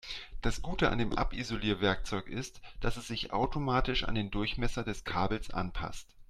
Das Gute an dem Abisolierwerkzeug ist, dass es sich automatisch an den Durchmesser des Kabels anpasst.